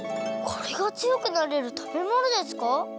これがつよくなれるたべものですか？